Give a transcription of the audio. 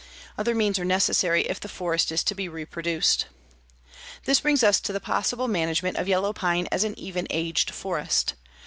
Other means are necessary if the forest is to be reproduced. This brings us to the possible management of yellow pine as an even aged forest.